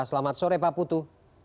selamat sore pak putu